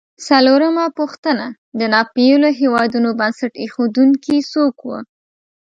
څلورمه پوښتنه: د ناپېیلو هېوادونو بنسټ ایښودونکي څوک و؟